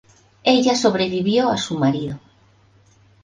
Ella sobrevivió a su marido.